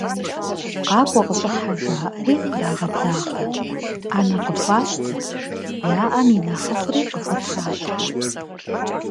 Къакӏуэ, къыщӏыхьэ!- жаӏэри кърагъэблагъэ, ӏэнэ къыхуащтэ, яӏэм и нэхъыфӏри къыхутралъхьэ.